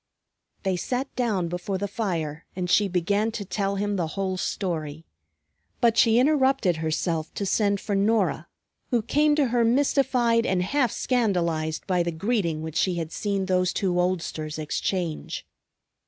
They sat down before the fire and she began to tell him the whole story. But she interrupted herself to send for Norah, who came to her, mystified and half scandalized by the greeting which she had seen those two oldsters exchange.